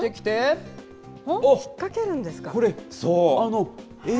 引っ掛けるんですか。